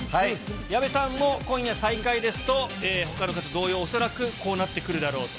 矢部さんも、今夜最下位ですと、ほかの方同様、恐らくこうなってくるだろうと。